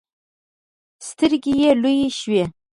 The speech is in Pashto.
سترګې يې لویې شوې.